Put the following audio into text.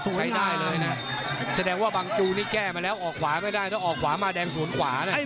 แสดงว่าบางจูนี่แก้มาแล้วออกขวาไม่ได้ถ้าออกขวามาแดงสวนขวาน่ะ